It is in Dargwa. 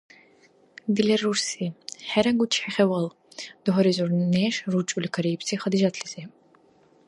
- Дила рурси, хӀеръагу чи хевал, - дугьаризур неш ручӀули кариибси Хадижатлизи.